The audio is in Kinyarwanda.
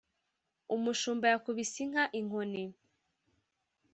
umushumba yakubise inka inkoni (